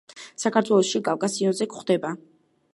საქართველოში კავკასიონზე გვხვდება.